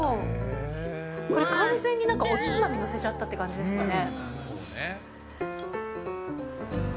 これ、完全になんかおつまみ載せちゃったって感じですよね。